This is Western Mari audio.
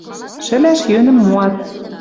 Шӹлӓш йӧнӹм моат —